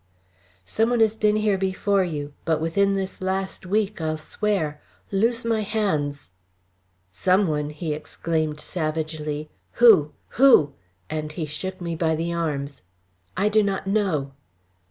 "Some one has been here before you, but within this last week, I'll swear. Loose my hands." "Some one!" he exclaimed savagely. "Who? who?" and he shook me by the arms. "I do not know."